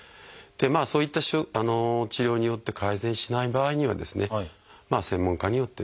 そういった治療によって改善しない場合には専門家によってですね